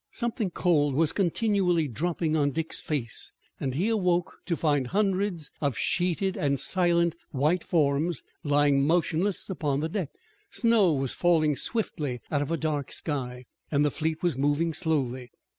Something cold was continually dropping on Dick's face and he awoke to find hundreds of sheeted and silent white forms lying motionless upon the deck. Snow was falling swiftly out of a dark sky, and the fleet was moving slowly.